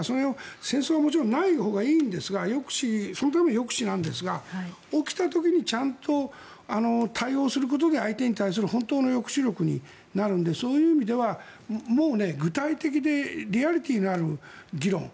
戦争はもちろんないほうがいいんですがそのための抑止なんですが起きた時にちゃんと対応することで相手に対する本当の抑止力になるのでそういう意味じゃもう具体的でリアリティーのある議論。